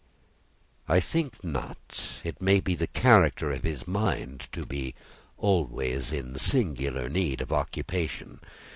"I think not. It may be the character of his mind, to be always in singular need of occupation.